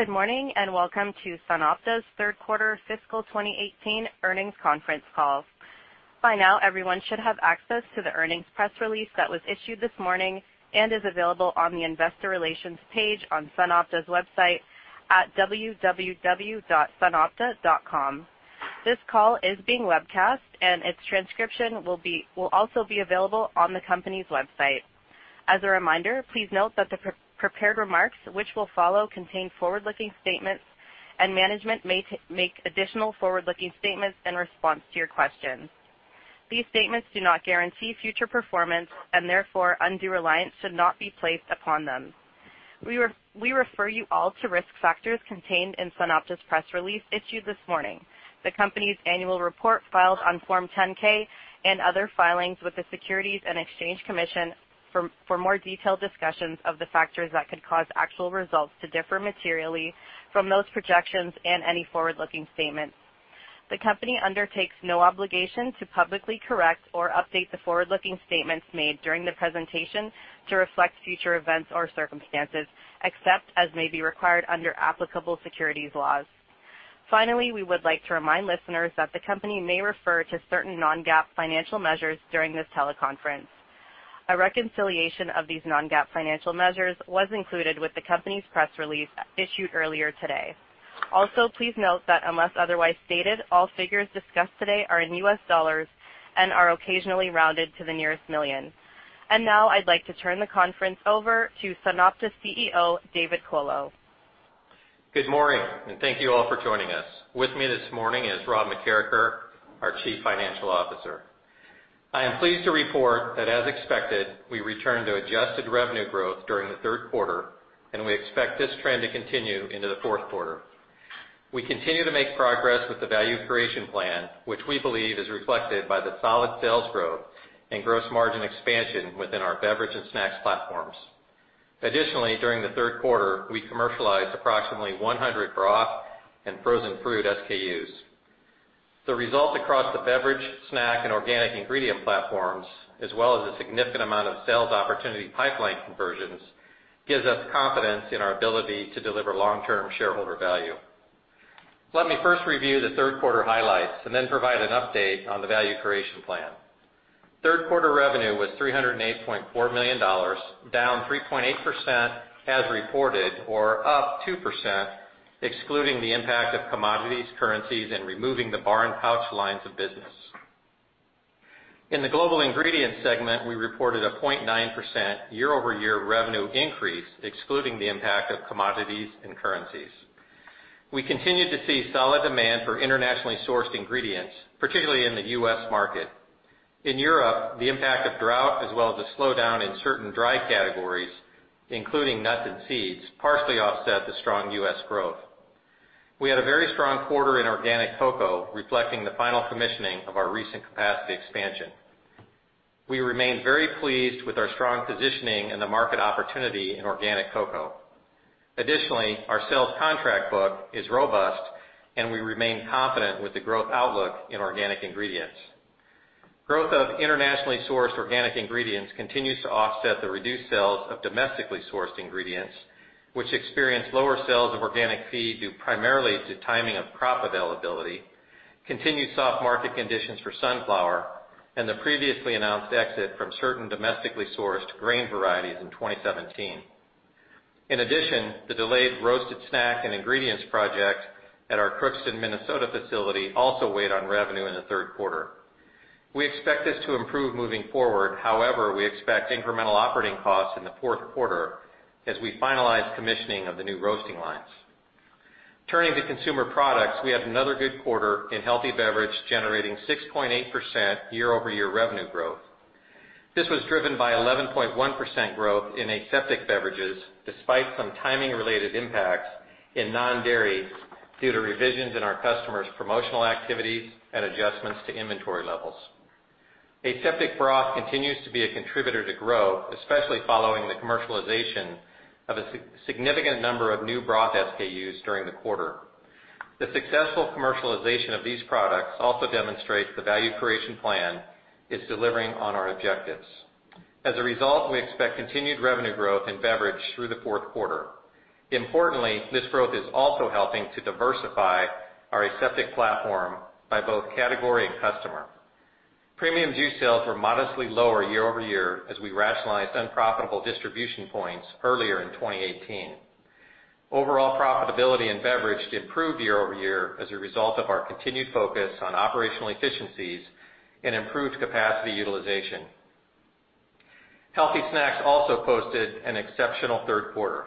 Good morning, welcome to SunOpta's Third Quarter Fiscal 2018 Earnings Conference Call. By now, everyone should have access to the earnings press release that was issued this morning and is available on the Investor Relations page on SunOpta's website at www.sunopta.com. This call is being webcast and its transcription will also be available on the company's website. As a reminder, please note that the prepared remarks which will follow contain forward-looking statements, and management may make additional forward-looking statements in response to your questions. These statements do not guarantee future performance, and therefore undue reliance should not be placed upon them. We refer you all to risk factors contained in SunOpta's press release issued this morning, the company's annual report filed on Form 10-K and other filings with the Securities and Exchange Commission for more detailed discussions of the factors that could cause actual results to differ materially from those projections and any forward-looking statements. The company undertakes no obligation to publicly correct or update the forward-looking statements made during the presentation to reflect future events or circumstances, except as may be required under applicable securities laws. Finally, we would like to remind listeners that the company may refer to certain non-GAAP financial measures during this teleconference. A reconciliation of these non-GAAP financial measures was included with the company's press release issued earlier today. Also, please note that unless otherwise stated, all figures discussed today are in U.S. dollars and are occasionally rounded to the nearest million. Now I'd like to turn the conference over to SunOpta CEO, David Colo. Good morning, thank you all for joining us. With me this morning is Rob McKeracher, our Chief Financial Officer. I am pleased to report that, as expected, we returned to adjusted revenue growth during the third quarter, and we expect this trend to continue into the fourth quarter. We continue to make progress with the value creation plan, which we believe is reflected by the solid sales growth and gross margin expansion within our beverage and snacks platforms. Additionally, during the third quarter, we commercialized approximately 100 broth and frozen fruit SKUs. The result across the beverage, snack, and organic ingredient platforms, as well as a significant amount of sales opportunity pipeline conversions, gives us confidence in our ability to deliver long-term shareholder value. Let me first review the third quarter highlights and then provide an update on the value creation plan. Third quarter revenue was $308.4 million, down 3.8% as reported, or up 2% excluding the impact of commodities, currencies, and removing the bar and pouch lines of business. In the Global Ingredients segment, we reported a 0.9% year-over-year revenue increase, excluding the impact of commodities and currencies. We continued to see solid demand for internationally sourced ingredients, particularly in the U.S. market. In Europe, the impact of drought as well as a slowdown in certain dry categories, including nuts and seeds, partially offset the strong U.S. growth. We had a very strong quarter in organic cocoa, reflecting the final commissioning of our recent capacity expansion. We remain very pleased with our strong positioning and the market opportunity in organic cocoa. Our sales contract book is robust, and we remain confident with the growth outlook in organic ingredients. Growth of internationally sourced organic ingredients continues to offset the reduced sales of domestically sourced ingredients, which experienced lower sales of organic feed due primarily to timing of crop availability, continued soft market conditions for sunflower, and the previously announced exit from certain domestically sourced grain varieties in 2017. The delayed roasted snack and ingredients project at our Crookston, Minnesota facility also weighed on revenue in the third quarter. We expect this to improve moving forward. We expect incremental operating costs in the fourth quarter as we finalize commissioning of the new roasting lines. Turning to Consumer Products, we had another good quarter in healthy beverage, generating 6.8% year-over-year revenue growth. This was driven by 11.1% growth in aseptic beverages, despite some timing-related impacts in non-dairy due to revisions in our customers' promotional activities and adjustments to inventory levels. Aseptic broth continues to be a contributor to growth, especially following the commercialization of a significant number of new broth SKUs during the quarter. The successful commercialization of these products also demonstrates the Value Creation Plan is delivering on our objectives. We expect continued revenue growth in beverage through the fourth quarter. This growth is also helping to diversify our aseptic platform by both category and customer. Premium juice sales were modestly lower year-over-year as we rationalized unprofitable distribution points earlier in 2018. Overall profitability in beverage improved year-over-year as a result of our continued focus on operational efficiencies and improved capacity utilization. Healthy snacks also posted an exceptional third quarter.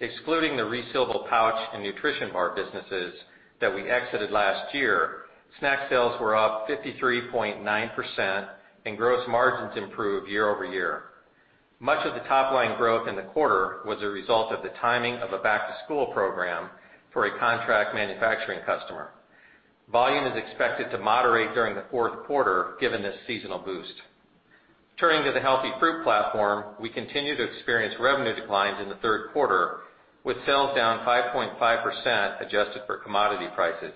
Excluding the resealable pouch and nutrition bar businesses that we exited last year, snack sales were up 53.9% and gross margins improved year-over-year. Much of the top-line growth in the quarter was a result of the timing of a back-to-school program for a contract manufacturing customer. Volume is expected to moderate during the fourth quarter given this seasonal boost. Turning to the healthy fruit platform, we continue to experience revenue declines in the third quarter, with sales down 5.5% adjusted for commodity prices.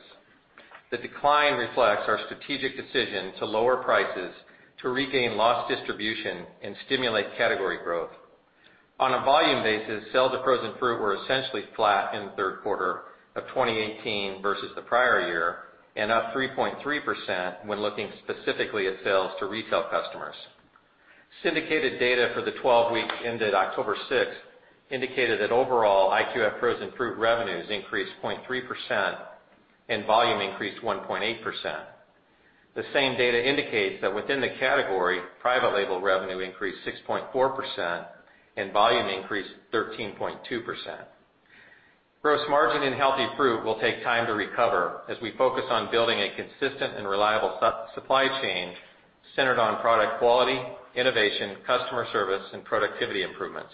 The decline reflects our strategic decision to lower prices to regain lost distribution and stimulate category growth. On a volume basis, sales of frozen fruit were essentially flat in the third quarter of 2018 versus the prior year, and up 3.3% when looking specifically at sales to retail customers. Syndicated data for the 12 weeks ended October sixth indicated that overall IQF frozen fruit revenues increased 0.3% and volume increased 1.8%. The same data indicates that within the category, private label revenue increased 6.4% and volume increased 13.2%. Gross margin in healthy fruit will take time to recover as we focus on building a consistent and reliable supply chain centered on product quality, innovation, customer service, and productivity improvements.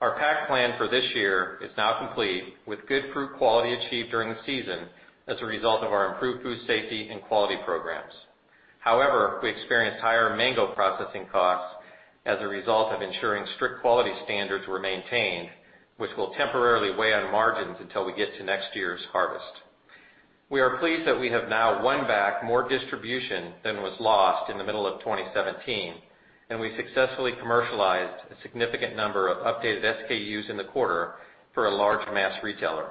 Our pack plan for this year is now complete, with good fruit quality achieved during the season as a result of our improved food safety and quality programs. However, we experienced higher mango processing costs as a result of ensuring strict quality standards were maintained, which will temporarily weigh on margins until we get to next year's harvest. We are pleased that we have now won back more distribution than was lost in the middle of 2017, and we successfully commercialized a significant number of updated SKUs in the quarter for a large mass retailer.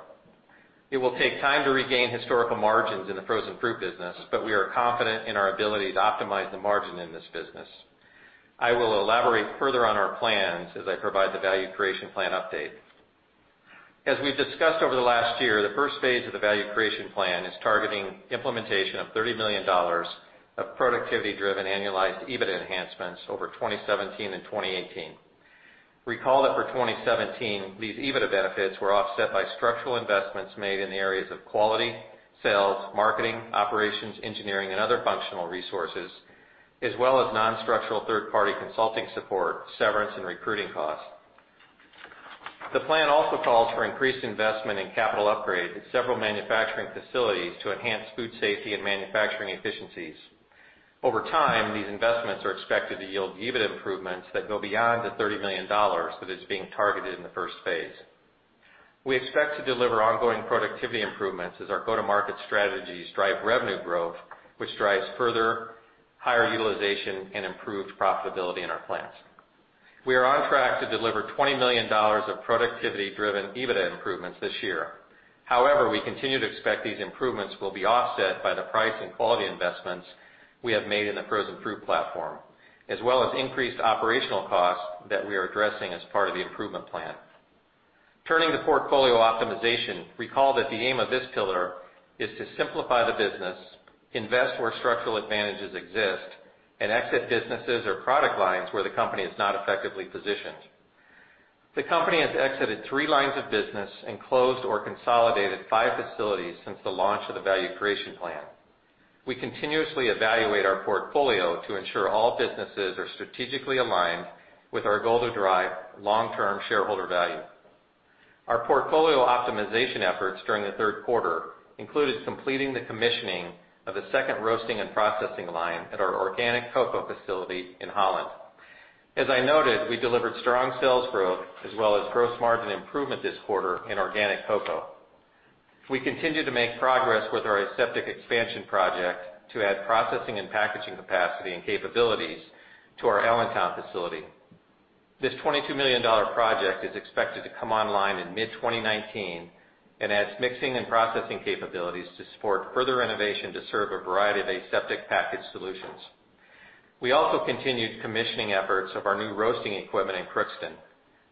It will take time to regain historical margins in the frozen fruit business, but we are confident in our ability to optimize the margin in this business. I will elaborate further on our plans as I provide the value creation plan update. As we've discussed over the last year, the first phase of the value creation plan is targeting implementation of $30 million of productivity driven annualized EBITDA enhancements over 2017 and 2018. Recall that for 2017, these EBITDA benefits were offset by structural investments made in the areas of quality, sales, marketing, operations, engineering, and other functional resources, as well as non-structural third party consulting support, severance, and recruiting costs. The plan also calls for increased investment in capital upgrades at several manufacturing facilities to enhance food safety and manufacturing efficiencies. Over time, these investments are expected to yield EBITDA improvements that go beyond the $30 million that is being targeted in the first phase. We expect to deliver ongoing productivity improvements as our go-to-market strategies drive revenue growth, which drives further higher utilization and improved profitability in our plants. We are on track to deliver $20 million of productivity driven EBITDA improvements this year. However, we continue to expect these improvements will be offset by the price and quality investments we have made in the frozen fruit platform, as well as increased operational costs that we are addressing as part of the improvement plan. Turning to portfolio optimization, recall that the aim of this pillar is to simplify the business, invest where structural advantages exist, and exit businesses or product lines where the company is not effectively positioned. The company has exited three lines of business and closed or consolidated five facilities since the launch of the value creation plan. We continuously evaluate our portfolio to ensure all businesses are strategically aligned with our goal to drive long term shareholder value. Our portfolio optimization efforts during the third quarter included completing the commissioning of a second roasting and processing line at our organic cocoa facility in Holland. As I noted, we delivered strong sales growth as well as gross margin improvement this quarter in organic cocoa. We continue to make progress with our aseptic expansion project to add processing and packaging capacity and capabilities to our Allentown facility. This $22 million project is expected to come online in mid-2019 and adds mixing and processing capabilities to support further innovation to serve a variety of aseptic packaged solutions. We also continued commissioning efforts of our new roasting equipment in Crookston.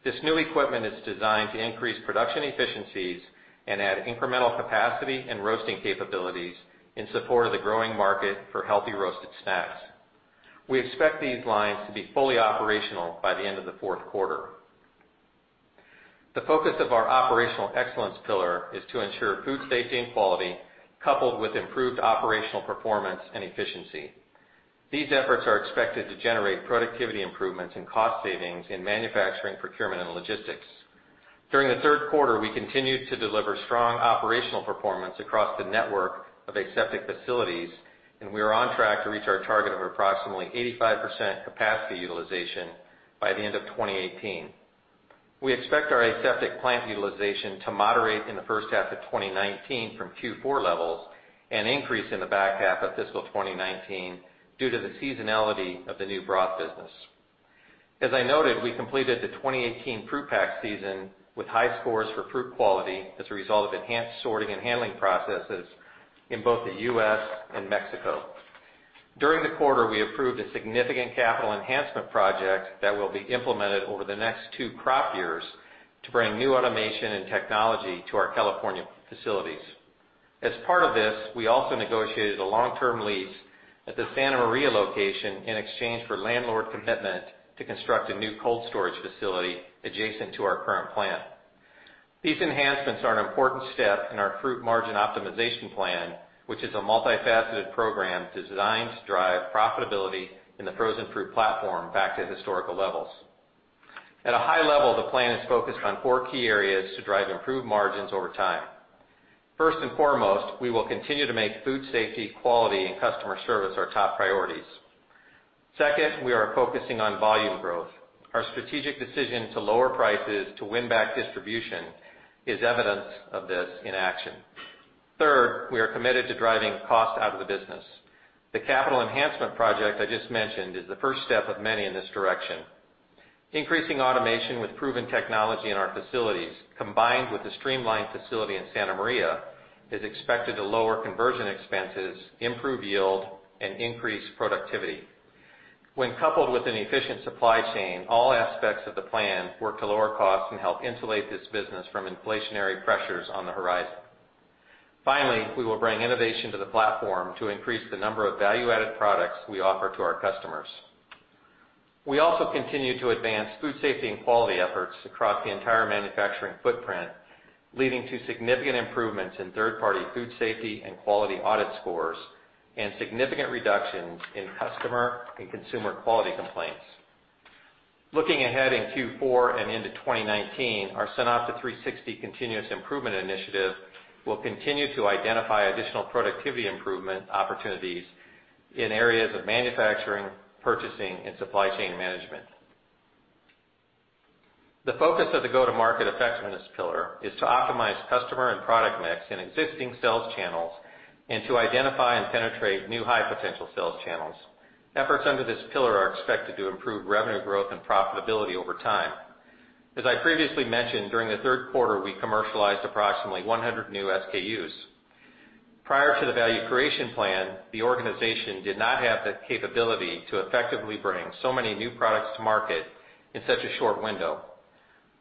This new equipment is designed to increase production efficiencies and add incremental capacity and roasting capabilities in support of the growing market for healthy roasted snacks. We expect these lines to be fully operational by the end of the fourth quarter. The focus of our operational excellence pillar is to ensure food safety and quality, coupled with improved operational performance and efficiency. These efforts are expected to generate productivity improvements and cost savings in manufacturing, procurement, and logistics. During the third quarter, we continued to deliver strong operational performance across the network of aseptic facilities. We are on track to reach our target of approximately 85% capacity utilization by the end of 2018. We expect our aseptic plant utilization to moderate in the first half of 2019 from Q4 levels and increase in the back half of fiscal 2019 due to the seasonality of the new broth business. As I noted, we completed the 2018 fruit pack season with high scores for fruit quality as a result of enhanced sorting and handling processes in both the U.S. and Mexico. During the quarter, we approved a significant capital enhancement project that will be implemented over the next two crop years to bring new automation and technology to our California facilities. As part of this, we also negotiated a long term lease at the Santa Maria location in exchange for landlord commitment to construct a new cold storage facility adjacent to our current plant. These enhancements are an important step in our fruit margin optimization plan, which is a multifaceted program designed to drive profitability in the frozen fruit platform back to historical levels. At a high level, the plan is focused on four key areas to drive improved margins over time. First and foremost, we will continue to make food safety, quality, and customer service our top priorities. Second, we are focusing on volume growth. Our strategic decision to lower prices to win back distribution is evidence of this in action. Third, we are committed to driving costs out of the business. The capital enhancement project I just mentioned is the first step of many in this direction. Increasing automation with proven technology in our facilities, combined with the streamlined facility in Santa Maria, is expected to lower conversion expenses, improve yield, and increase productivity. When coupled with an efficient supply chain, all aspects of the plan work to lower costs and help insulate this business from inflationary pressures on the horizon. Finally, we will bring innovation to the platform to increase the number of value-added products we offer to our customers. We also continue to advance food safety and quality efforts across the entire manufacturing footprint, leading to significant improvements in third-party food safety and quality audit scores, and significant reductions in customer and consumer quality complaints. Looking ahead in Q4 and into 2019, our SunOpta 360 continuous improvement initiative will continue to identify additional productivity improvement opportunities in areas of manufacturing, purchasing, and supply chain management. The focus of the go-to-market effectiveness pillar is to optimize customer and product mix in existing sales channels and to identify and penetrate new high-potential sales channels. Efforts under this pillar are expected to improve revenue growth and profitability over time. As I previously mentioned, during the third quarter, we commercialized approximately 100 new SKUs. Prior to the value creation plan, the organization did not have the capability to effectively bring so many new products to market in such a short window.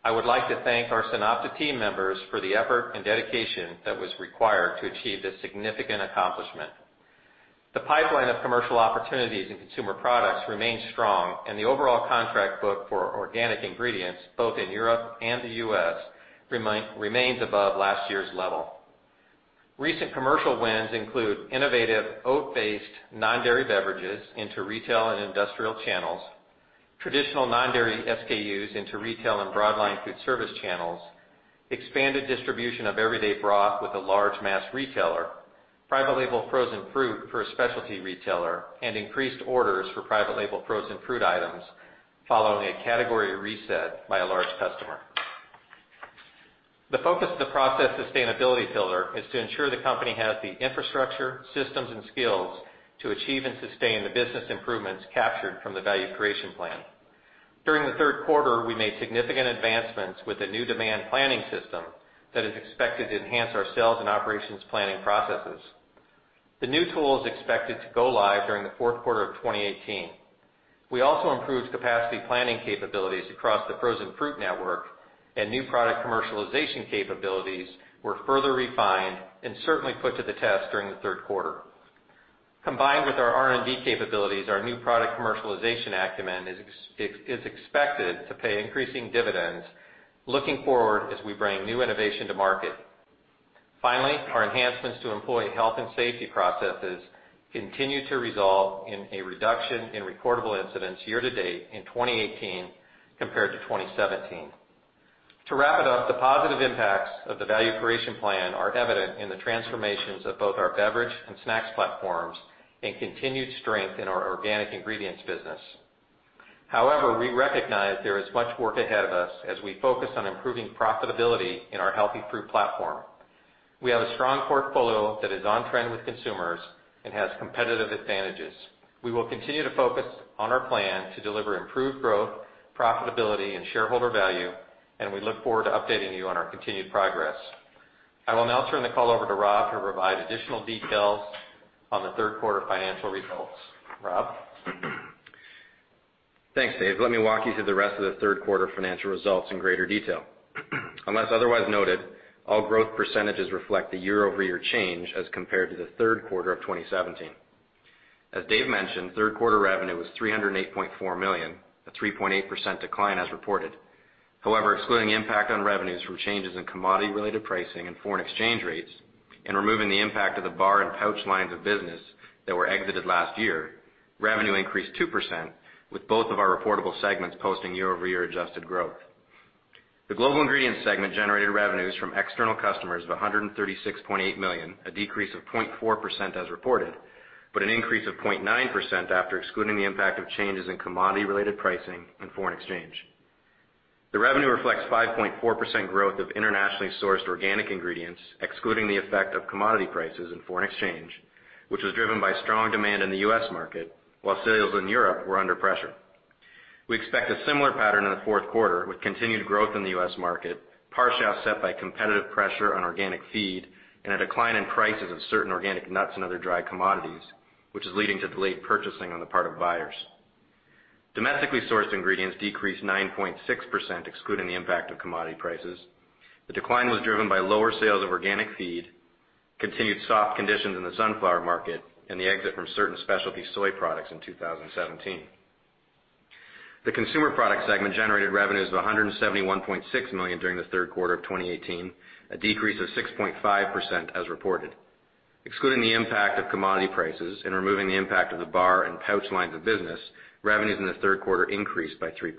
I would like to thank our SunOpta team members for the effort and dedication that was required to achieve this significant accomplishment. The pipeline of commercial opportunities in consumer products remains strong, and the overall contract book for organic ingredients, both in Europe and the U.S., remains above last year's level. Recent commercial wins include innovative oat-based non-dairy beverages into retail and industrial channels, traditional non-dairy SKUs into retail and broadline food service channels, expanded distribution of Everyday Broth with a large mass retailer, private label frozen fruit for a specialty retailer, and increased orders for private label frozen fruit items following a category reset by a large customer. The focus of the process sustainability pillar is to ensure the company has the infrastructure, systems, and skills to achieve and sustain the business improvements captured from the value creation plan. During the third quarter, we made significant advancements with the new demand planning system that is expected to enhance our sales and operations planning processes. The new tool is expected to go live during the fourth quarter of 2018. We also improved capacity planning capabilities across the frozen fruit network, and new product commercialization capabilities were further refined and certainly put to the test during the third quarter. Combined with our R&D capabilities, our new product commercialization acumen is expected to pay increasing dividends looking forward as we bring new innovation to market. Finally, our enhancements to employee health and safety processes continue to result in a reduction in reportable incidents year to date in 2018 compared to 2017. To wrap it up, the positive impacts of the value creation plan are evident in the transformations of both our beverage and snacks platforms and continued strength in our organic ingredients business. However, we recognize there is much work ahead of us as we focus on improving profitability in our healthy fruit platform. We have a strong portfolio that is on trend with consumers and has competitive advantages. We will continue to focus on our plan to deliver improved growth, profitability, and shareholder value, and we look forward to updating you on our continued progress. I will now turn the call over to Rob to provide additional details on the third quarter financial results. Rob? Thanks, Dave. Let me walk you through the rest of the third quarter financial results in greater detail. Unless otherwise noted, all growth percentages reflect the year-over-year change as compared to the third quarter of 2017. As Dave mentioned, third quarter revenue was $308.4 million, a 3.8% decline as reported. Excluding impact on revenues from changes in commodity-related pricing and foreign exchange rates and removing the impact of the bar and pouch lines of business that were exited last year, revenue increased 2% with both of our reportable segments posting year-over-year adjusted growth. The Global Ingredients Segment generated revenues from external customers of $136.8 million, a decrease of 0.4% as reported, but an increase of 0.9% after excluding the impact of changes in commodity-related pricing and foreign exchange. The revenue reflects 5.4% growth of internationally sourced organic ingredients, excluding the effect of commodity prices and foreign exchange, which was driven by strong demand in the U.S. market, while sales in Europe were under pressure. We expect a similar pattern in the fourth quarter with continued growth in the U.S. market, partially offset by competitive pressure on organic feed and a decline in prices of certain organic nuts and other dry commodities, which is leading to delayed purchasing on the part of buyers. Domestically sourced ingredients decreased 9.6%, excluding the impact of commodity prices. The decline was driven by lower sales of organic feed, continued soft conditions in the sunflower market, and the exit from certain specialty soy products in 2017. The Consumer Products Segment generated revenues of $171.6 million during the third quarter of 2018, a decrease of 6.5% as reported. Excluding the impact of commodity prices and removing the impact of the bar and pouch lines of business, revenues in the third quarter increased by 3%.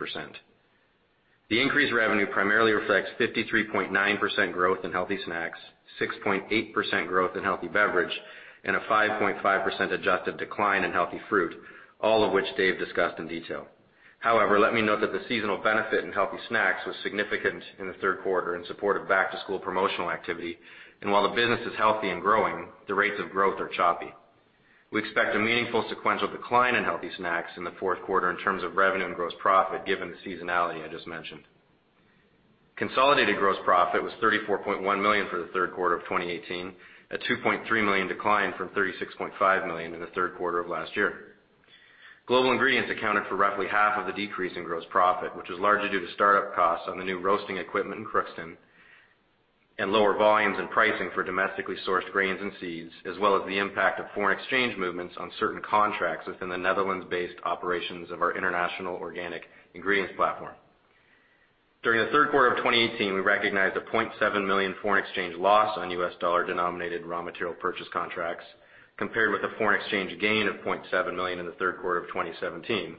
The increased revenue primarily reflects 53.9% growth in healthy snacks, 6.8% growth in healthy beverage, and a 5.5% adjusted decline in healthy fruit, all of which Dave discussed in detail. Let me note that the seasonal benefit in healthy snacks was significant in the third quarter in support of back-to-school promotional activity, and while the business is healthy and growing, the rates of growth are choppy. We expect a meaningful sequential decline in healthy snacks in the fourth quarter in terms of revenue and gross profit given the seasonality I just mentioned. Consolidated gross profit was $34.1 million for the third quarter of 2018, a $2.3 million decline from $36.5 million in the third quarter of last year. Global Ingredients accounted for roughly half of the decrease in gross profit, which was largely due to start-up costs on the new roasting equipment in Crookston and lower volumes in pricing for domestically sourced grains and seeds, as well as the impact of foreign exchange movements on certain contracts within the Netherlands-based operations of our international organic ingredients platform. During the third quarter of 2018, we recognized a $0.7 million foreign exchange loss on U.S. dollar-denominated raw material purchase contracts, compared with a foreign exchange gain of $0.7 million in the third quarter of 2017,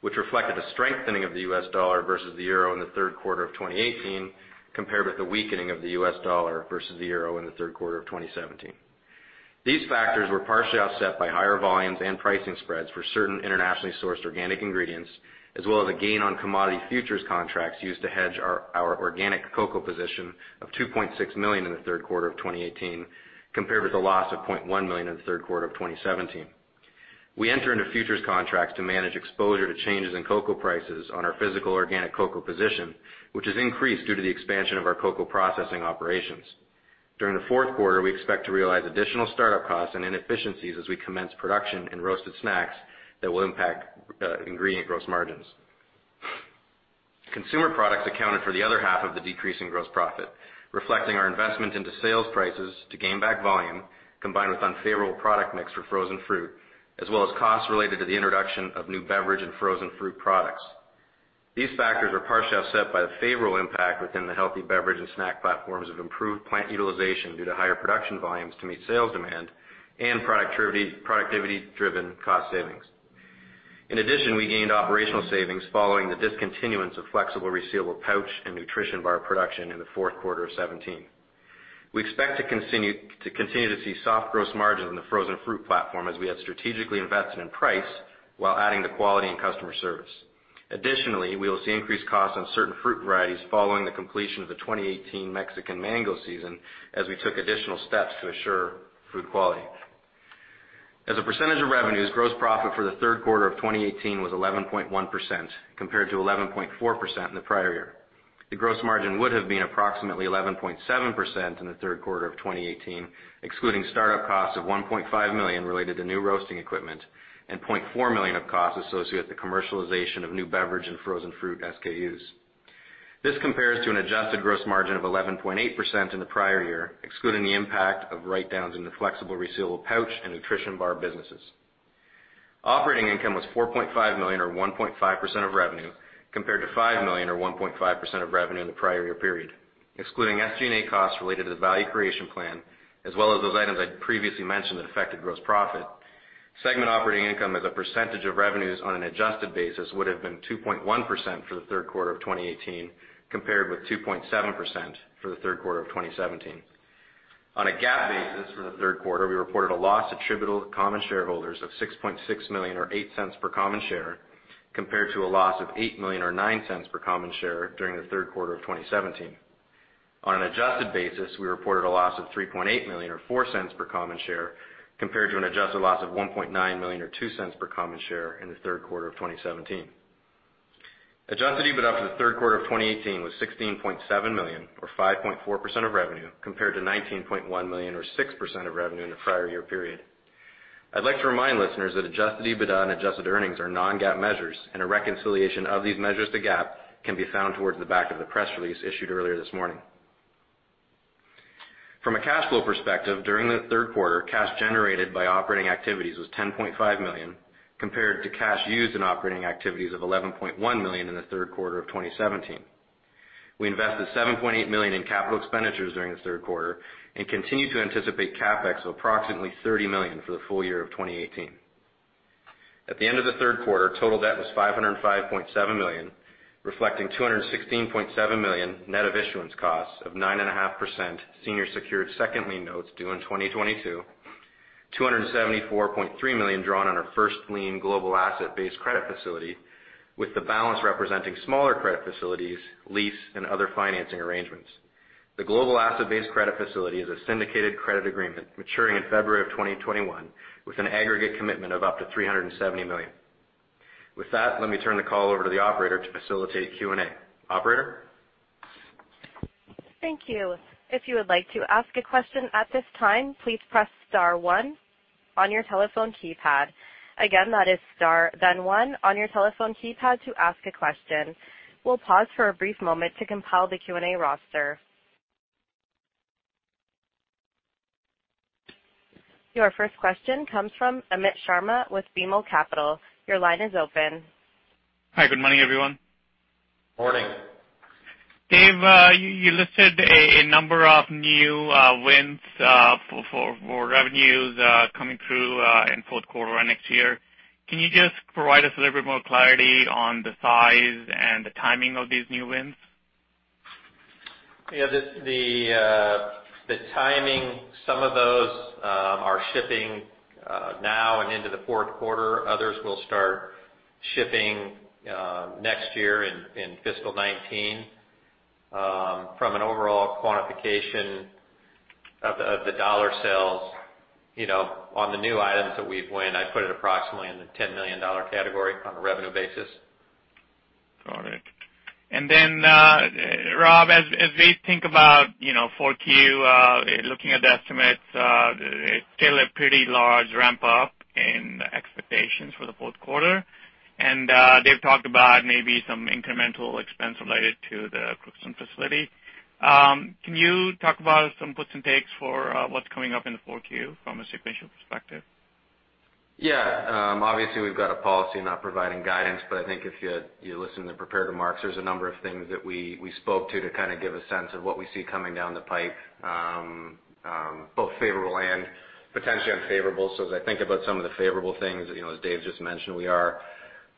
which reflected a strengthening of the U.S. dollar versus the euro in the third quarter of 2018, compared with the weakening of the U.S. dollar versus the euro in the third quarter of 2017. These factors were partially offset by higher volumes and pricing spreads for certain internationally sourced organic ingredients, as well as a gain on commodity futures contracts used to hedge our organic cocoa position of $2.6 million in the third quarter of 2018, compared with a loss of $0.1 million in the third quarter of 2017. We enter into futures contracts to manage exposure to changes in cocoa prices on our physical organic cocoa position, which has increased due to the expansion of our cocoa processing operations. During the fourth quarter, we expect to realize additional start-up costs and inefficiencies as we commence production in roasted snacks that will impact ingredient gross margins. Consumer products accounted for the other half of the decrease in gross profit, reflecting our investment into sales prices to gain back volume, combined with unfavorable product mix for frozen fruit, as well as costs related to the introduction of new beverage and frozen fruit products. These factors were partially offset by the favorable impact within the healthy beverage and snack platforms of improved plant utilization due to higher production volumes to meet sales demand and productivity-driven cost savings. In addition, we gained operational savings following the discontinuance of flexible resealable pouch and nutrition bar production in the fourth quarter of 2017. We expect to continue to see soft gross margin in the frozen fruit platform as we have strategically invested in price while adding to quality and customer service. We will see increased costs on certain fruit varieties following the completion of the 2018 Mexican mango season, as we took additional steps to assure food quality. As a percentage of revenues, gross profit for the third quarter of 2018 was 11.1%, compared to 11.4% in the prior year. The gross margin would have been approximately 11.7% in the third quarter of 2018, excluding start-up costs of $1.5 million related to new roasting equipment and $0.4 million of costs associated with the commercialization of new beverage and frozen fruit SKUs. This compares to an adjusted gross margin of 11.8% in the prior year, excluding the impact of write-downs in the flexible resealable pouch and nutrition bar businesses. Operating income was $4.5 million or 1.5% of revenue, compared to $5 million or 1.5% of revenue in the prior year period. Excluding SG&A costs related to the Value Creation Plan, as well as those items I previously mentioned that affected gross profit, segment operating income as a percentage of revenues on an adjusted basis would've been 2.1% for the third quarter of 2018, compared with 2.7% for the third quarter of 2017. On a GAAP basis for the third quarter, we reported a loss attributable to common shareholders of $6.6 million or $0.08 per common share, compared to a loss of $8 million or $0.09 per common share during the third quarter of 2017. On an adjusted basis, we reported a loss of $3.8 million or $0.04 per common share, compared to an adjusted loss of $1.9 million or $0.02 per common share in the third quarter of 2017. Adjusted EBITDA for the third quarter of 2018 was $16.7 million or 5.4% of revenue, compared to $19.1 million or 6% of revenue in the prior year period. I'd like to remind listeners that adjusted EBITDA and adjusted earnings are non-GAAP measures and a reconciliation of these measures to GAAP can be found towards the back of the press release issued earlier this morning. From a cash flow perspective, during the third quarter, cash generated by operating activities was $10.5 million, compared to cash used in operating activities of $11.1 million in the third quarter of 2017. We invested $7.8 million in capital expenditures during the third quarter and continue to anticipate CapEx of approximately $30 million for the full year of 2018. At the end of the third quarter, total debt was $505.7 million, reflecting $216.7 million net of issuance costs of 9.5% senior secured second lien notes due in 2022, $274.3 million drawn on our first lien global asset-based credit facility with the balance representing smaller credit facilities, lease, and other financing arrangements. The global asset-based credit facility is a syndicated credit agreement maturing in February of 2021 with an aggregate commitment of up to $370 million. With that, let me turn the call over to the operator to facilitate Q&A. Operator? Thank you. If you would like to ask a question at this time, please press star one on your telephone keypad. Again, that is star, then one on your telephone keypad to ask a question. We'll pause for a brief moment to compile the Q&A roster. Your first question comes from Amit Sharma with BMO Capital. Your line is open. Hi, good morning, everyone. Morning. Dave, you listed a number of new wins for revenues coming through in fourth quarter next year. Can you just provide us a little bit more clarity on the size and the timing of these new wins? Yeah. The timing, some of those are shipping now and into the fourth quarter. Others will start shipping next year in fiscal 2019. From an overall quantification of the dollar sales on the new items that we've won, I'd put it approximately in the $10 million category on a revenue basis. Got it. Rob, as we think about 4Q, looking at the estimates, still a pretty large ramp-up in expectations for the fourth quarter. Dave talked about maybe some incremental expense related to the Crookston facility. Can you talk about some puts and takes for what's coming up in 4Q from a sequential perspective? Yeah. Obviously, we've got a policy not providing guidance, I think if you listen to the prepared remarks, there's a number of things that we spoke to give a sense of what we see coming down the pipe, both favorable and potentially unfavorable. As I think about some of the favorable things, as Dave just mentioned, we are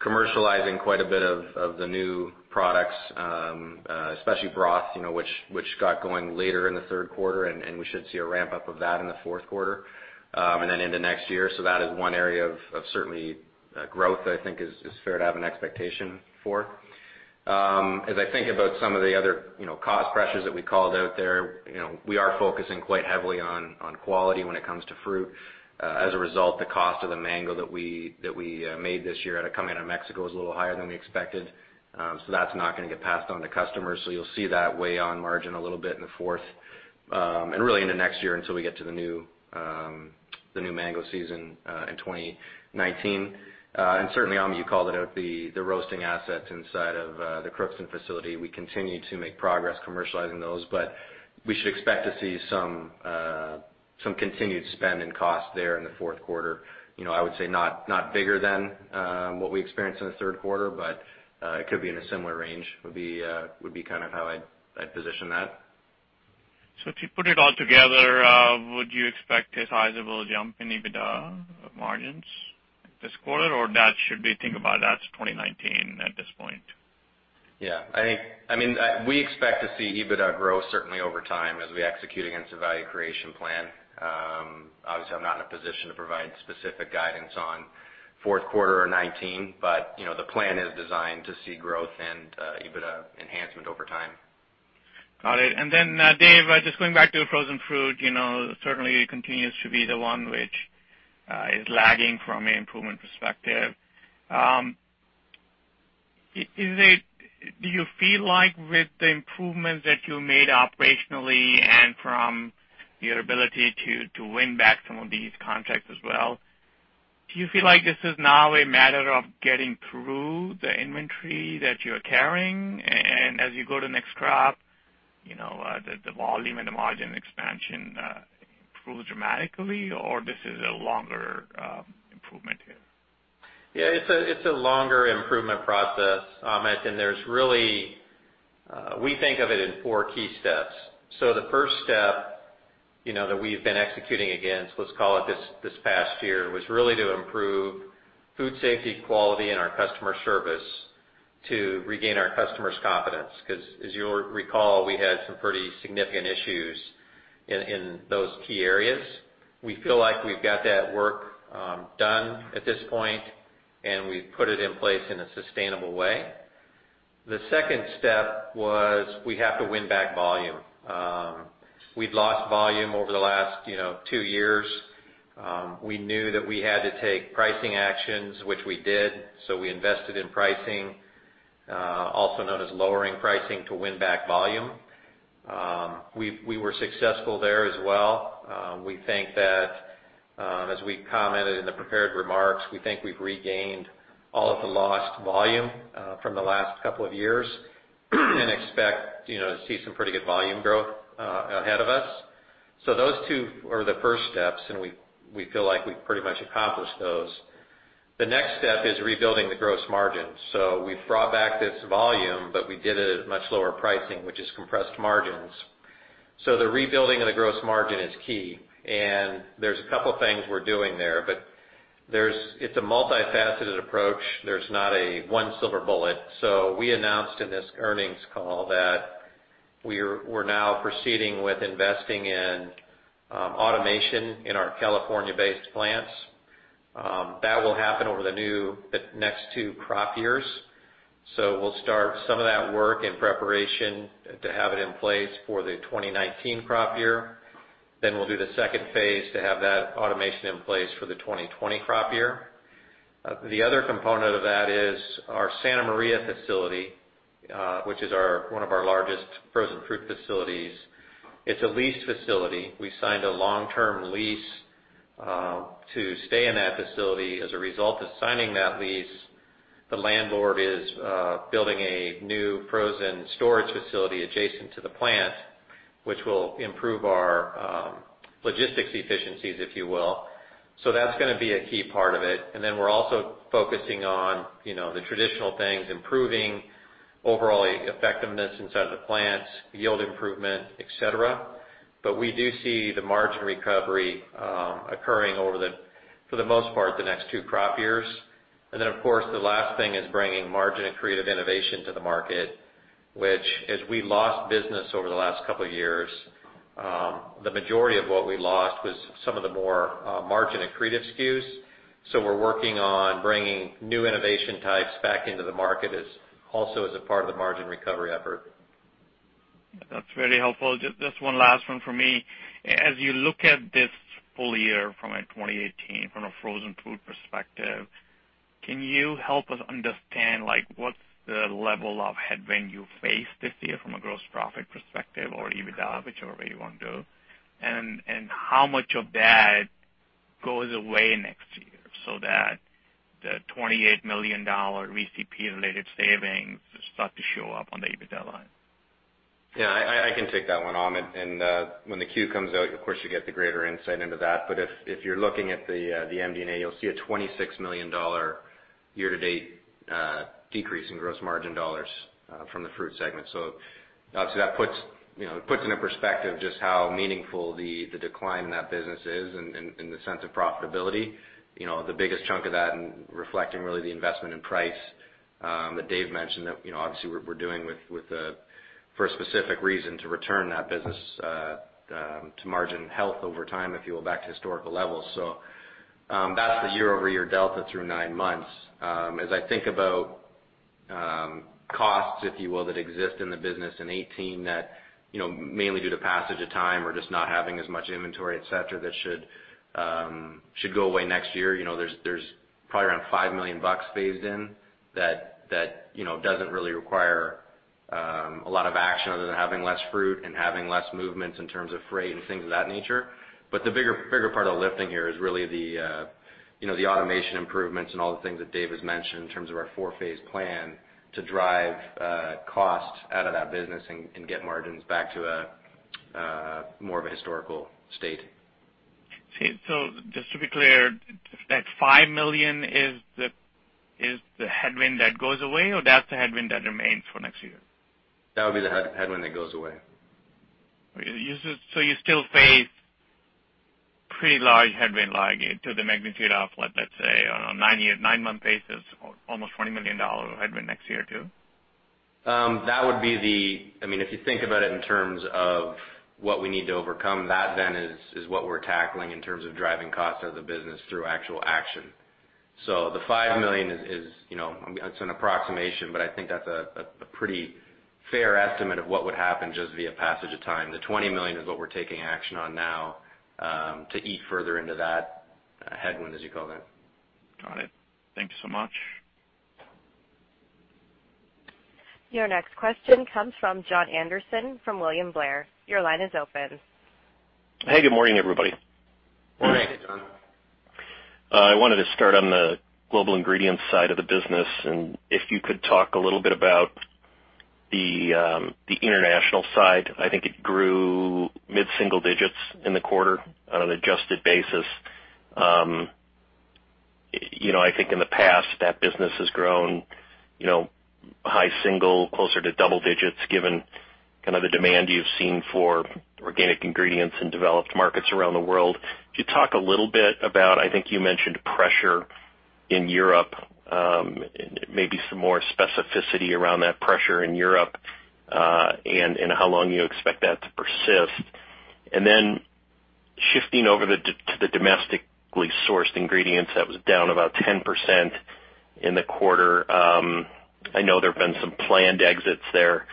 commercializing quite a bit of the new products, especially broth which got going later in the third quarter and we should see a ramp-up of that in the fourth quarter, and then into next year. That is one area of certainly growth that I think is fair to have an expectation for. As I think about some of the other cost pressures that we called out there, we are focusing quite heavily on quality when it comes to fruit. As a result, the cost of the mango that we made this year out of Mexico is a little higher than we expected. That's not going to get passed on to customers. You'll see that weigh on margin a little bit in the fourth, and really into next year until we get to the new mango season in 2019. Certainly, Amit, you called it out, the roasting assets inside of the Crookston facility, we continue to make progress commercializing those. We should expect to see some continued spend and cost there in the fourth quarter. I would say not bigger than what we experienced in the third quarter, but it could be in a similar range, would be how I'd position that. If you put it all together, would you expect a sizable jump in EBITDA margins this quarter or should we think about that's 2019 at this point? Yeah. We expect to see EBITDA grow certainly over time as we execute against the value creation plan. Obviously, I'm not in a position to provide specific guidance on fourth quarter or 2019, the plan is designed to see growth and EBITDA enhancement over time. Got it. Dave, just going back to frozen fruit, certainly it continues to be the one which is lagging from an improvement perspective. Do you feel like with the improvements that you made operationally and from your ability to win back some of these contracts as well, do you feel like this is now a matter of getting through the inventory that you're carrying and as you go to next crop, the volume and the margin expansion improves dramatically or this is a longer improvement here? It's a longer improvement process, Amit. We think of it in four key steps. The first step that we've been executing against, let's call it this past year, was really to improve food safety, quality and our customer service to regain our customers' confidence because as you'll recall, we had some pretty significant issues in those key areas. We feel like we've got that work done at this point and we've put it in place in a sustainable way. The second step was we have to win back volume. We'd lost volume over the last two years. We knew that we had to take pricing actions, which we did. We invested in pricing, also known as lowering pricing to win back volume. We were successful there as well. As we commented in the prepared remarks, we think we've regained all of the lost volume from the last couple of years and expect to see some pretty good volume growth ahead of us. Those two are the first steps and we feel like we've pretty much accomplished those. The next step is rebuilding the gross margin. We've brought back this volume, but we did it at much lower pricing, which is compressed margins. The rebuilding of the gross margin is key and there's a couple things we're doing there. It's a multifaceted approach. There's not a one silver bullet. We announced in this earnings call that we're now proceeding with investing in automation in our California-based plants. That will happen over the next two crop years. We'll start some of that work in preparation to have it in place for the 2019 crop year. We'll do the second phase to have that automation in place for the 2020 crop year. The other component of that is our Santa Maria facility, which is one of our largest frozen fruit facilities. It's a leased facility. We signed a long-term lease to stay in that facility. As a result of signing that lease, the landlord is building a new frozen storage facility adjacent to the plant, which will improve our logistics efficiencies, if you will. That's going to be a key part of it. We're also focusing on the traditional things, improving overall effectiveness inside of the plants, yield improvement, et cetera. We do see the margin recovery occurring over the, for the most part, the next two crop years. Of course, the last thing is bringing margin and creative innovation to the market, which, as we lost business over the last couple of years, the majority of what we lost was some of the more margin-accretive SKUs. We're working on bringing new innovation types back into the market also as a part of the margin recovery effort. That's very helpful. Just one last one from me. As you look at this full year from a 2018, from a frozen food perspective, can you help us understand what's the level of headwind you face this year from a gross profit perspective or EBITDA, whichever way you want to do? How much of that goes away next year so that the $28 million VCP-related savings start to show up on the EBITDA line? Yeah, I can take that one, Amit. When the Q comes out, of course, you get the greater insight into that. If you're looking at the MD&A, you'll see a $26 million year-to-date decrease in gross margin dollars from the fruit segment. Obviously, that puts into perspective just how meaningful the decline in that business is in the sense of profitability. The biggest chunk of that and reflecting really the investment in price that Dave mentioned that obviously we're doing for a specific reason to return that business to margin health over time, if you will, back to historical levels. That's the year-over-year delta through nine months. As I think about costs, if you will, that exist in the business in 2018 that mainly due to passage of time or just not having as much inventory, et cetera, that should go away next year. There's probably around $5 million phased in that doesn't really require a lot of action other than having less fruit and having less movements in terms of freight and things of that nature. The bigger part of the lifting here is really the automation improvements and all the things that Dave has mentioned in terms of our four-phase plan to drive cost out of that business and get margins back to more of a historical state. Just to be clear, that $5 million is the headwind that goes away, or that's the headwind that remains for next year? That would be the headwind that goes away. You still face pretty large headwind, like to the magnitude of, let's say, on a nine-month basis, almost $20 million of headwind next year, too? If you think about it in terms of what we need to overcome, that then is what we're tackling in terms of driving costs out of the business through actual action. The $5 million is an approximation, but I think that's a pretty fair estimate of what would happen just via passage of time. The $20 million is what we're taking action on now to eat further into that headwind, as you call that. Got it. Thank you so much. Your next question comes from Jon Andersen from William Blair. Your line is open. Hey, good morning, everybody. Good morning. Hey, Jon. I wanted to start on the global ingredients side of the business. If you could talk a little bit about the international side. I think it grew mid-single digits in the quarter on an adjusted basis. I think in the past, that business has grown high single, closer to double digits, given the demand you've seen for organic ingredients in developed markets around the world. Could you talk a little bit about, I think you mentioned pressure in Europe, maybe some more specificity around that pressure in Europe, and how long you expect that to persist. Shifting over to the domestically sourced ingredients, that was down about 10% in the quarter. I know there have been some planned exits there.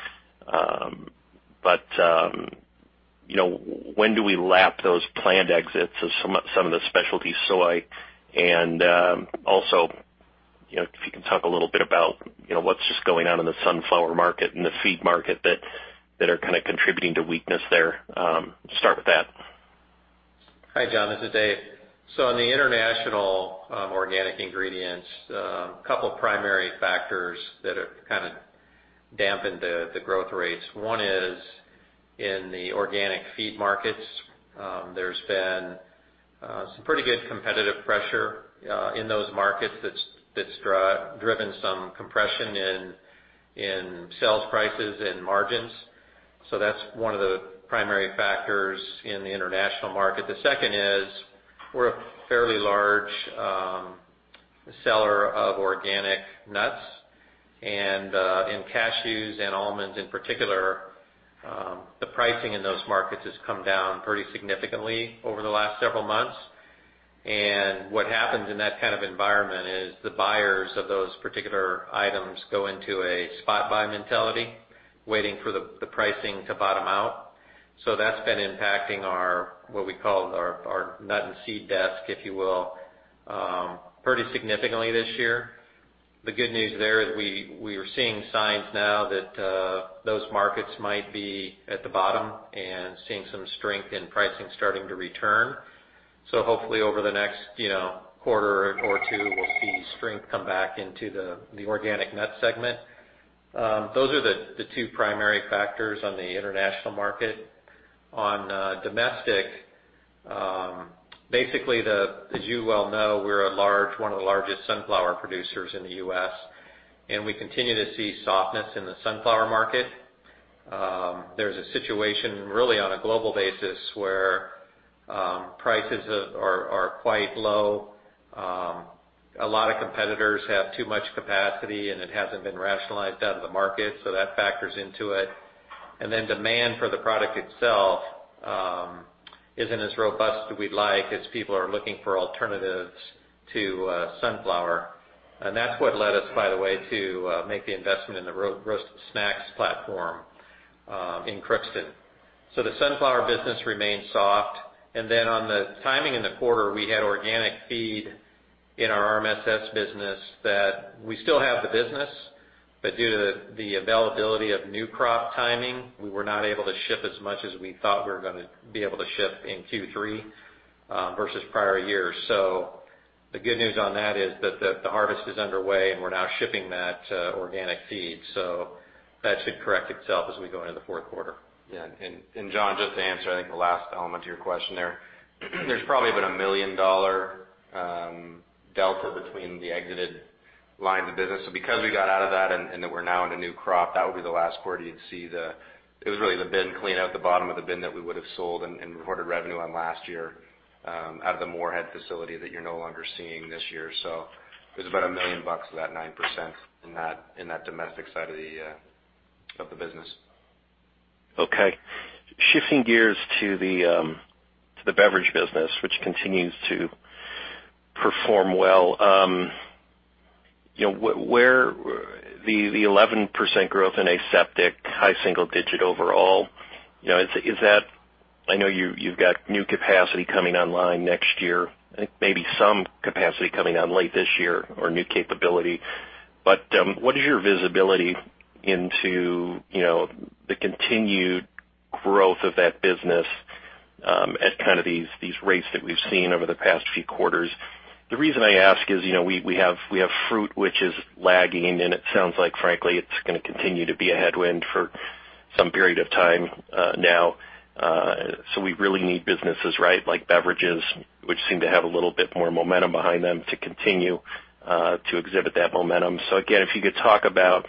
When do we lap those planned exits of some of the specialty soy? Also, if you can talk a little bit about what's just going on in the sunflower market and the feed market that are kind of contributing to weakness there. Start with that. Hi, Jon, this is Dave. On the international organic ingredients, a couple of primary factors that have dampened the growth rates. One is in the organic feed markets, there's been some pretty good competitive pressure in those markets that's driven some compression in sales prices and margins. That's one of the primary factors in the international market. The second is we're a fairly large seller of organic nuts. In cashews and almonds in particular, the pricing in those markets has come down pretty significantly over the last several months. What happens in that kind of environment is the buyers of those particular items go into a spot buy mentality, waiting for the pricing to bottom out. That's been impacting our, what we call our nut and seed desk, if you will, pretty significantly this year. The good news there is we are seeing signs now that those markets might be at the bottom and seeing some strength in pricing starting to return. Hopefully over the next quarter or two, we'll see strength come back into the organic nut segment. Those are the two primary factors on the international market. On domestic, basically, as you well know, we're one of the largest sunflower producers in the U.S. We continue to see softness in the sunflower market. There's a situation really on a global basis where prices are quite low. A lot of competitors have too much capacity. It hasn't been rationalized out of the market. That factors into it. Demand for the product itself isn't as robust as we'd like as people are looking for alternatives to sunflower. That's what led us, by the way, to make the investment in the roasted snacks platform in Crookston. The sunflower business remains soft. On the timing in the quarter, we had organic feed in our RMSS business that we still have the business, but due to the availability of new crop timing, we were not able to ship as much as we thought we were going to be able to ship in Q3 versus prior years. The good news on that is that the harvest is underway and we're now shipping that organic feed. That should correct itself as we go into the fourth quarter. Jon, just to answer, I think the last element to your question there. There's probably been a $1 million delta between the exited line of the business. Because we got out of that and that we're now in a new crop, that would be the last quarter you'd see it was really the bin clean out, the bottom of the bin that we would have sold and recorded revenue on last year out of the Moorhead facility that you're no longer seeing this year. It was about $1 million of that 9% in that domestic side of the business. Okay. Shifting gears to the beverage business, which continues to perform well. Where the 11% growth in aseptic, high single-digit overall, I know you've got new capacity coming online next year, I think maybe some capacity coming on late this year or new capability, but what is your visibility into the continued growth of that business at these rates that we've seen over the past few quarters? The reason I ask is we have fruit which is lagging, and it sounds like frankly it's going to continue to be a headwind for some period of time now. We really need businesses, right, like beverages, which seem to have a little bit more momentum behind them to continue to exhibit that momentum. Again, if you could talk about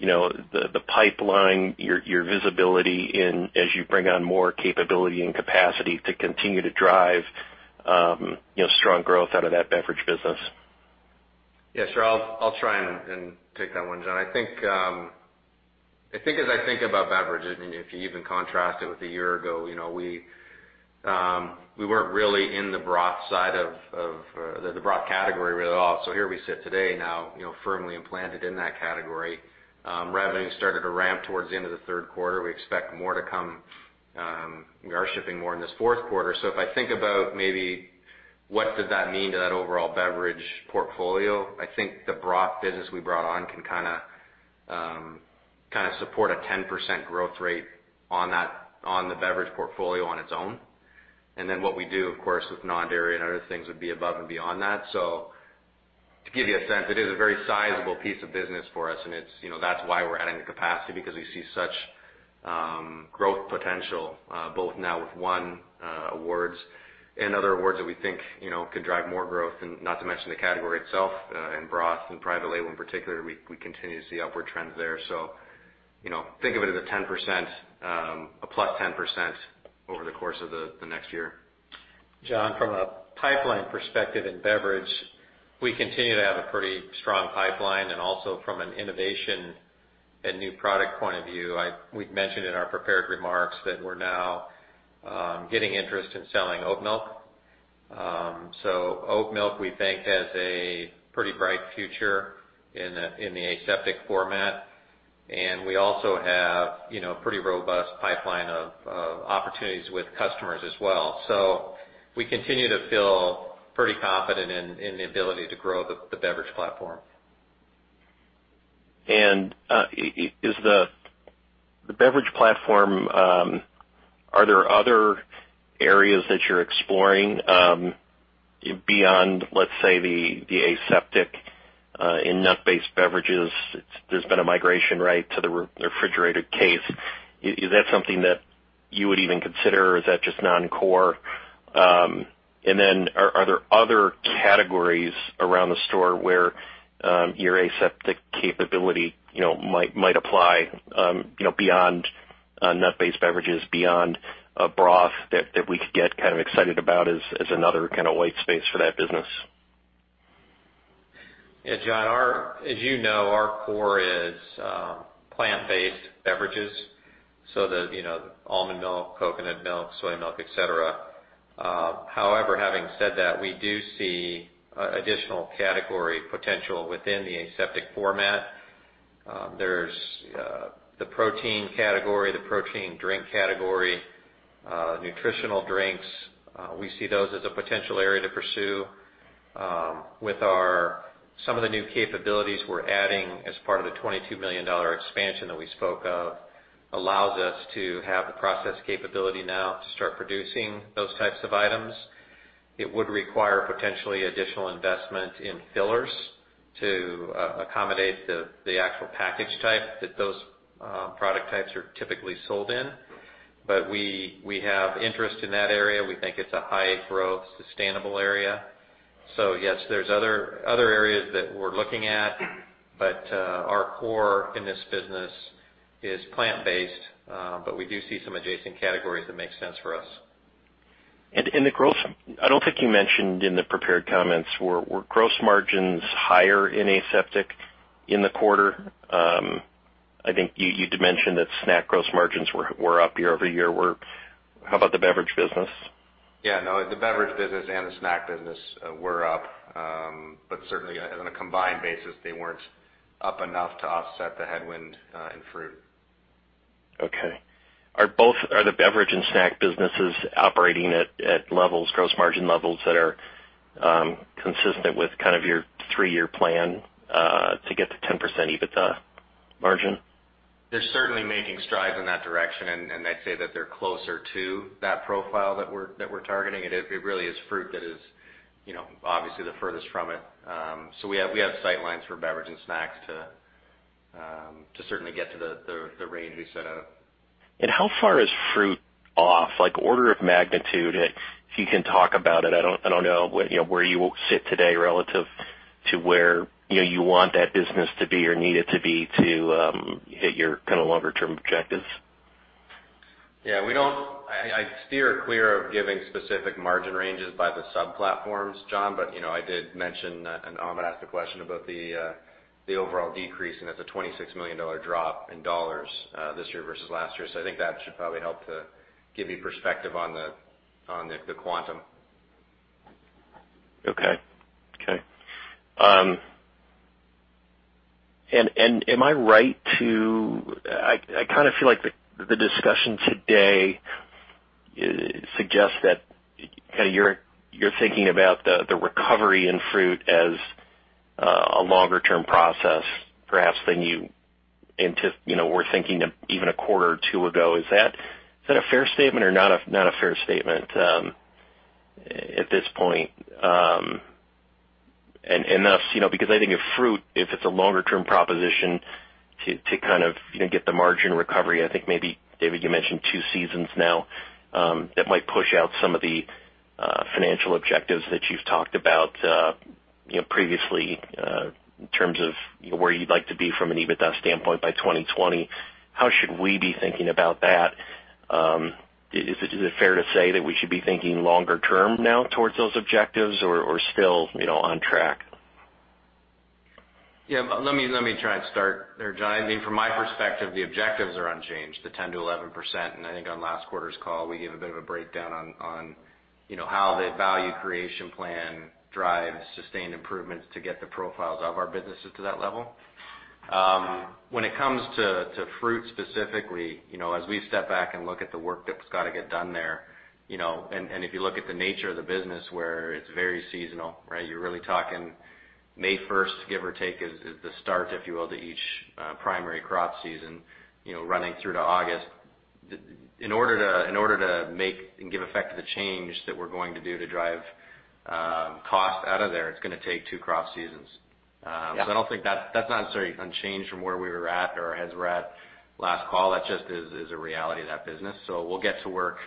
the pipeline, your visibility as you bring on more capability and capacity to continue to drive strong growth out of that beverage business. Yeah, sure. I'll try and take that one, Jon. I think as I think about beverage, if you even contrast it with a year ago, we weren't really in the broth side of the broth category at all. Here we sit today now firmly implanted in that category. Revenue started to ramp towards the end of the third quarter. We expect more to come. We are shipping more in this fourth quarter. If I think about maybe what does that mean to that overall beverage portfolio, I think the broth business we brought on can support a 10% growth rate on the beverage portfolio on its own. What we do, of course, with non-dairy and other things would be above and beyond that. To give you a sense, it is a very sizable piece of business for us, and that's why we're adding the capacity, because we see such growth potential both now with won awards and other awards that we think could drive more growth and not to mention the category itself in broth and private label in particular, we continue to see upward trends there. Think of it as a +10% over the course of the next year. Jon, from a pipeline perspective in beverage, we continue to have a pretty strong pipeline and also from an innovation and new product point of view. We've mentioned in our prepared remarks that we're now getting interest in selling oat milk. Oat milk, we think, has a pretty bright future in the aseptic format. We also have pretty robust pipeline of opportunities with customers as well. We continue to feel pretty confident in the ability to grow the beverage platform. Is the beverage platform, are there other areas that you're exploring beyond, let's say, the aseptic in nut-based beverages? There's been a migration to the refrigerated case. Is that something that you would even consider or is that just non-core? Are there other categories around the store where your aseptic capability might apply beyond nut-based beverages, beyond a broth that we could get excited about as another kind of white space for that business? Jon, as you know, our core is plant-based beverages, so the almond milk, coconut milk, soy milk, et cetera. Having said that, we do see additional category potential within the aseptic format. There's the protein category, the protein drink category, nutritional drinks. We see those as a potential area to pursue with some of the new capabilities we're adding as part of the $22 million expansion that we spoke of, allows us to have the process capability now to start producing those types of items. It would require potentially additional investment in fillers to accommodate the actual package type that those product types are typically sold in. We have interest in that area. We think it's a high growth, sustainable area. Yes, there's other areas that we're looking at. Our core in this business is plant-based, but we do see some adjacent categories that make sense for us. The growth, I don't think you mentioned in the prepared comments, were gross margins higher in aseptic in the quarter? I think you'd mentioned that snack gross margins were up year-over-year. How about the beverage business? Yeah, no, the beverage business and the snack business were up. Certainly on a combined basis, they weren't up enough to offset the headwind in fruit. Okay. Are the beverage and snack businesses operating at gross margin levels that are consistent with your three-year plan to get to 10% EBITDA margin? They're certainly making strides in that direction, and I'd say that they're closer to that profile that we're targeting. It really is fruit that is obviously the furthest from it. We have sight lines for beverage and snacks to certainly get to the range we set out. How far is fruit off, like order of magnitude, if you can talk about it? I don't know where you sit today relative to where you want that business to be or need it to be to hit your longer term objectives. Yeah. I steer clear of giving specific margin ranges by the sub-platforms, Jon, I did mention, and Amit asked a question about the overall decrease, and it's a $26 million drop in dollars this year versus last year. I think that should probably help to give you perspective on the quantum. Okay. Am I right to, I feel like the discussion today suggests that you're thinking about the recovery in fruit as a longer-term process, perhaps, than you were thinking even a quarter or two ago. Is that a fair statement or not a fair statement at this point? I think if fruit, if it's a longer-term proposition to get the margin recovery, I think maybe, David, you mentioned two seasons now that might push out some of the financial objectives that you've talked about previously in terms of where you'd like to be from an EBITDA standpoint by 2020. How should we be thinking about that? Is it fair to say that we should be thinking longer term now towards those objectives or still on track? Let me try and start there, Jon. From my perspective, the objectives are unchanged, the 10%-11%. I think on last quarter's call, we gave a bit of a breakdown on how the value creation plan drives sustained improvements to get the profiles of our businesses to that level. When it comes to fruit specifically, as we step back and look at the work that's got to get done there, and if you look at the nature of the business where it's very seasonal, right? You're really talking May 1st, give or take, is the start, if you will, to each primary crop season, running through to August. In order to make and give effect to the change that we're going to do to drive cost out of there, it's going to take two crop seasons. Yeah. That's not necessarily unchanged from where we were at or as we're at last call. That just is a reality of that business. We'll get to work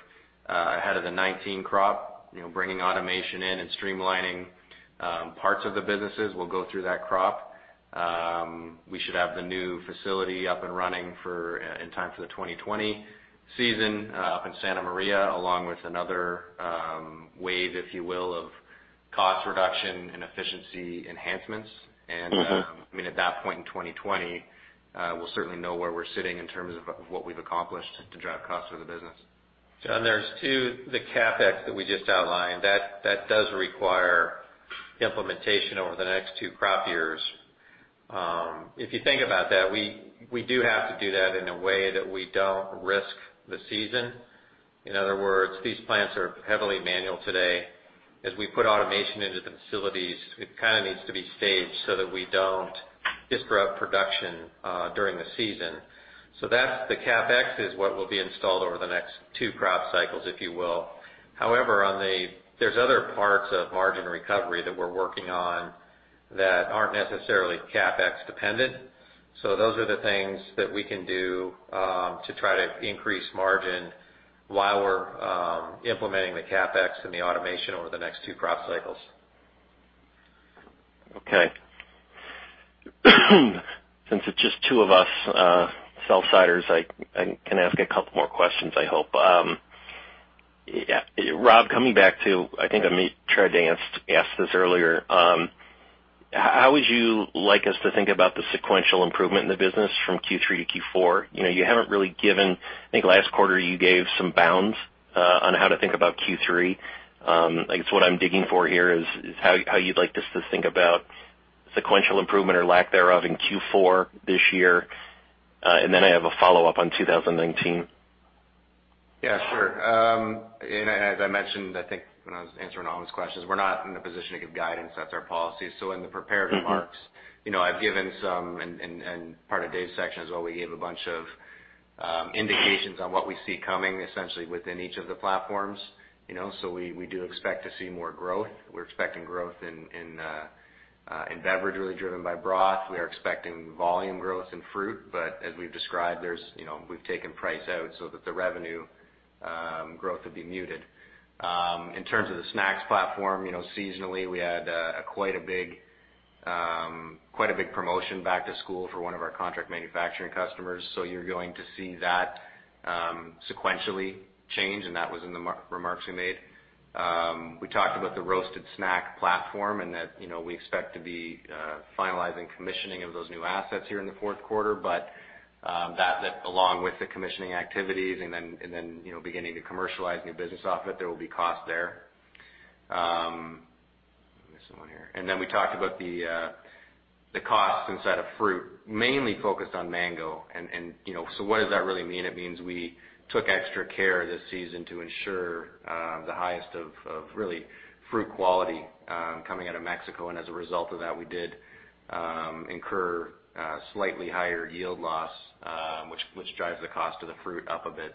ahead of the 2019 crop, bringing automation in and streamlining parts of the businesses. We'll go through that crop. We should have the new facility up and running in time for the 2020 season up in Santa Maria, along with another wave, if you will, of cost reduction and efficiency enhancements. At that point in 2020, we'll certainly know where we're sitting in terms of what we've accomplished to drive costs through the business. Jon, there's two, the CapEx that we just outlined, that does require implementation over the next two crop years. If you think about that, we do have to do that in a way that we don't risk the season. In other words, these plants are heavily manual today. As we put automation into the facilities, it needs to be staged so that we don't disrupt production during the season. The CapEx is what will be installed over the next two crop cycles, if you will. However, there's other parts of margin recovery that we're working on that aren't necessarily CapEx dependent. Those are the things that we can do to try to increase margin while we're implementing the CapEx and the automation over the next two crop cycles. Okay. Since it's just two of us sell-siders, I can ask a couple more questions, I hope. Rob, coming back to, I think Amit tried to ask this earlier. How would you like us to think about the sequential improvement in the business from Q3 to Q4? I think last quarter you gave some bounds on how to think about Q3. I guess what I'm digging for here is how you'd like us to think about sequential improvement or lack thereof in Q4 this year. Then I have a follow-up on 2019. Yeah, sure. As I mentioned, I think when I was answering Amit's questions, we're not in a position to give guidance. That's our policy. In the prepared remarks, I've given some, and part of Dave's section as well, we gave a bunch of indications on what we see coming essentially within each of the platforms. We do expect to see more growth. We're expecting growth in beverage, really driven by broth. We are expecting volume growth in fruit. As we've described, we've taken price out so that the revenue growth would be muted. In terms of the snacks platform, seasonally, we had quite a big promotion back to school for one of our contract manufacturing customers. You're going to see that sequentially change, and that was in the remarks we made. We talked about the roasted snack platform and that we expect to be finalizing commissioning of those new assets here in the fourth quarter, that along with the commissioning activities and then beginning to commercialize new business off it, there will be cost there. I missed someone here. Then we talked about the costs inside of fruit, mainly focused on mango, what does that really mean? It means we took extra care this season to ensure the highest of really fruit quality coming out of Mexico. As a result of that, we did incur slightly higher yield loss, which drives the cost of the fruit up a bit.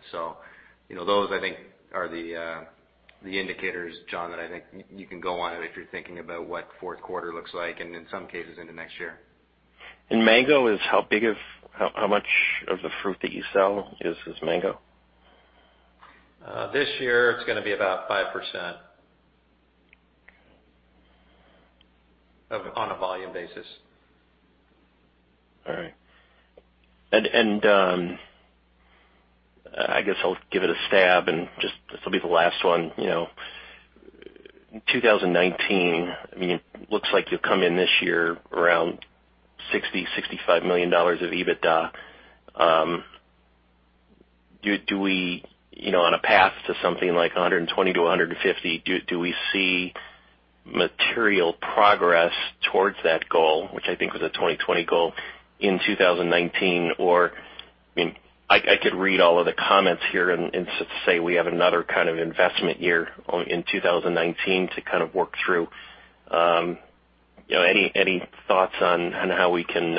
Those I think are the indicators, Jon, that I think you can go on if you're thinking about what fourth quarter looks like and in some cases into next year. How much of the fruit that you sell is mango? This year it's going to be about 5% on a volume basis. All right. I guess I'll give it a stab and this will be the last one. In 2019, it looks like you'll come in this year around $60 million-$65 million of EBITDA. Do we, on a path to something like $120 million-$150 million, do we see material progress towards that goal, which I think was a 2020 goal, in 2019? I could read all of the comments here and say we have another kind of investment year in 2019 to kind of work through. Any thoughts on how we can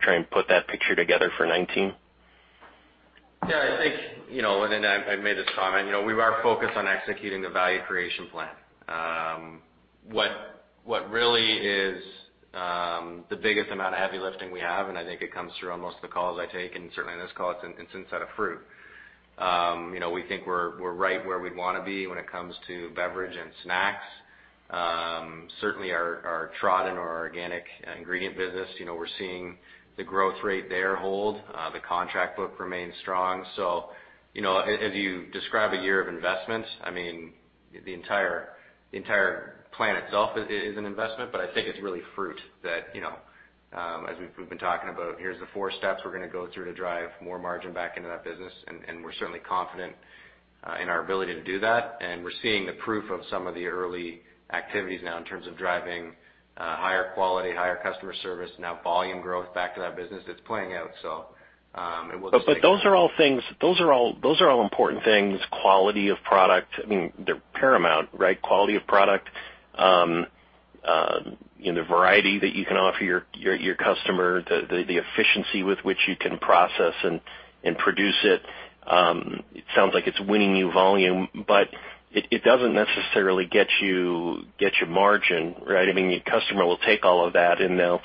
try and put that picture together for 2019? Yeah, I think, I made this comment, we are focused on executing the Value Creation Plan. What really is the biggest amount of heavy lifting we have, I think it comes through on most of the calls I take, and certainly on this call, it's inside of fruit. We think we're right where we'd want to be when it comes to beverage and snacks. Certainly our trot in our organic ingredient business. We're seeing the growth rate there hold. The contract book remains strong. As you describe a year of investments, the entire plan itself is an investment, I think it's really fruit that, as we've been talking about, here's the four steps we're going to go through to drive more margin back into that business, we're certainly confident in our ability to do that. We're seeing the proof of some of the early activities now in terms of driving higher quality, higher customer service, now volume growth back to that business. It's playing out. Those are all important things, quality of product, they're paramount, right? Quality of product, the variety that you can offer your customer, the efficiency with which you can process and produce it. It sounds like it's winning you volume, but it doesn't necessarily get you margin, right? The customer will take all of that and they'll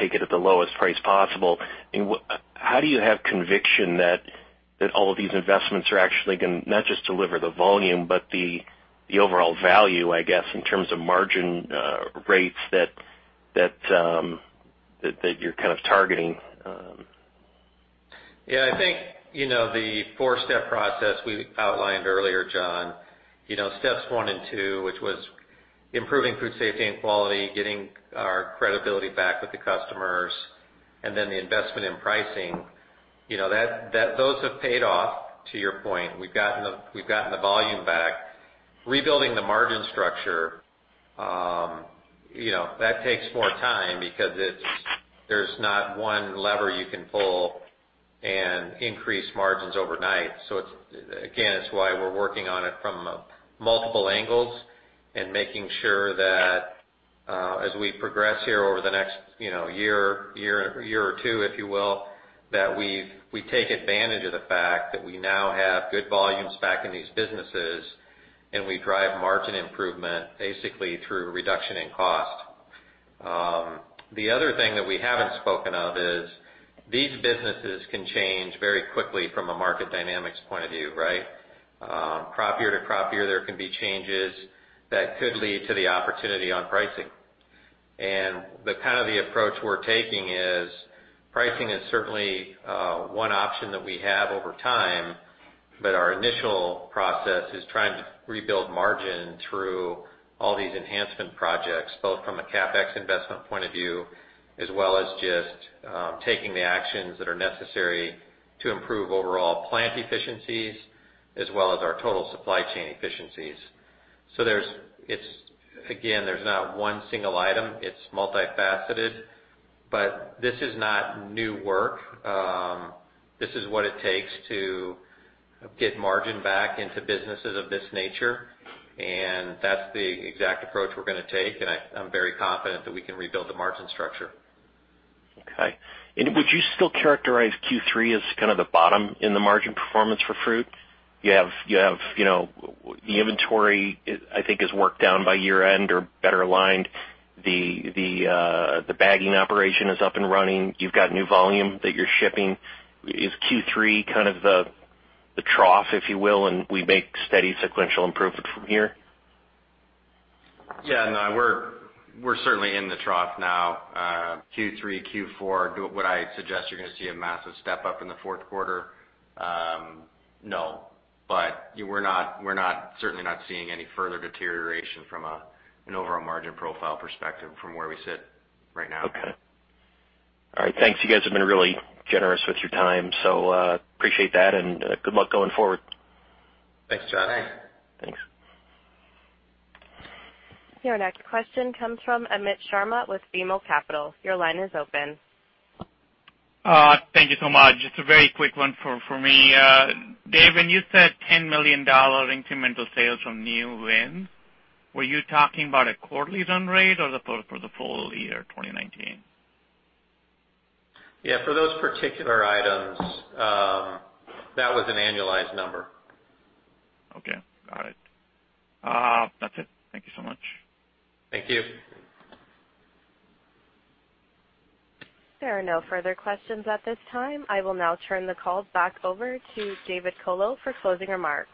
take it at the lowest price possible. How do you have conviction that all of these investments are actually going to not just deliver the volume, but the overall value, I guess, in terms of margin rates that you're kind of targeting? I think, the four-step process we outlined earlier, Jon. Steps one and two, which was improving food safety and quality, getting our credibility back with the customers, and then the investment in pricing, those have paid off, to your point. We've gotten the volume back. Rebuilding the margin structure, that takes more time because there's not one lever you can pull and increase margins overnight. Again, it's why we're working on it from multiple angles and making sure that as we progress here over the next year or two, if you will, that we take advantage of the fact that we now have good volumes back in these businesses and we drive margin improvement basically through reduction in cost. The other thing that we haven't spoken of is these businesses can change very quickly from a market dynamics point of view, right? Crop year to crop year, there can be changes that could lead to the opportunity on pricing. The approach we're taking is pricing is certainly one option that we have over time, but our initial process is trying to rebuild margin through all these enhancement projects, both from a CapEx investment point of view, as well as just taking the actions that are necessary to improve overall plant efficiencies as well as our total supply chain efficiencies. Again, there's not one single item. It's multifaceted, this is not new work. This is what it takes to get margin back into businesses of this nature, that's the exact approach we're going to take, I'm very confident that we can rebuild the margin structure. Okay. Would you still characterize Q3 as kind of the bottom in the margin performance for fruit? The inventory, I think, is worked down by year-end or better aligned. The bagging operation is up and running. You've got new volume that you're shipping. Is Q3 kind of the trough, if you will, we make steady sequential improvement from here? Yeah, no, we're certainly in the trough now. Q3, Q4, would I suggest you're going to see a massive step-up in the fourth quarter? No. We're certainly not seeing any further deterioration from an overall margin profile perspective from where we sit right now. Okay. All right, thanks. You guys have been really generous with your time, appreciate that, good luck going forward. Thanks, Jon. Thanks. Thanks. Your next question comes from Amit Sharma with BMO Capital. Your line is open. Thank you so much. Just a very quick one for me. Dave, when you said $10 million incremental sales from new wins, were you talking about a quarterly run rate or for the full year 2019? Yeah, for those particular items, that was an annualized number. Okay, got it. That's it. Thank you so much. Thank you. There are no further questions at this time. I will now turn the call back over to David Colo for closing remarks.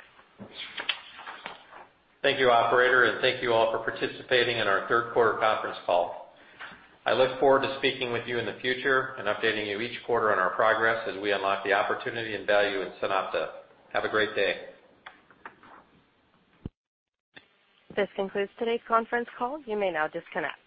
Thank you, operator, and thank you all for participating in our third quarter conference call. I look forward to speaking with you in the future and updating you each quarter on our progress as we unlock the opportunity and value in SunOpta. Have a great day. This concludes today's conference call. You may now disconnect.